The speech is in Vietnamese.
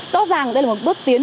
rõ ràng đây là một bước tiến